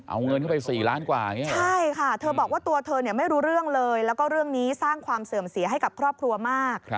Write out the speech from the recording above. เอาเงินเข้าไป๔ล้านกว่าอย่างนี้ใช่ค่ะเธอบอกว่าตัวเธอเนี่ยไม่รู้เรื่องเลยแล้วก็เรื่องนี้สร้างความเสื่อมเสียให้กับครอบครัวมาก